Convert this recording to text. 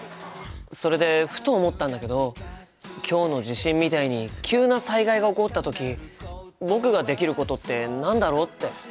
それでふと思ったんだけど今日の地震みたいに急な災害が起こった時僕ができることって何だろうって。